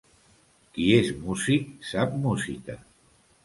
Qui és músic, sap música.